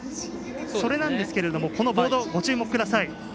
それなんですが、このボードにご注目ください。